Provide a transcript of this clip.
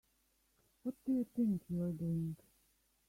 What do you think you're doing?